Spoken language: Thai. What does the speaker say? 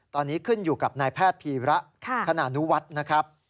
ตอนนี้ขึ้นอยู่กับนายแพทย์พีระธนานุวัฒน์นะครับ